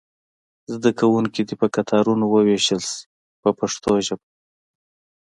زده کوونکي دې په کتارونو وویشل شي په پښتو ژبه.